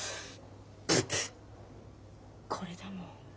これだもん。